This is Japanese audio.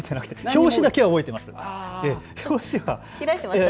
表紙だけは覚えています。